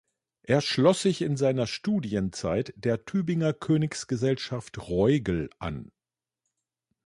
Er schloss sich in seiner Studienzeit der Tübinger Königsgesellschaft Roigel an.